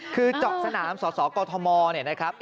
คือเจาะสนามสสกมเนี่ยนะครับ